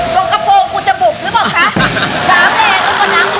กระโปรงกูจะบุกหรือเปล่าคะ